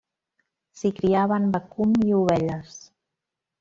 S'hi criaven vacum i ovelles.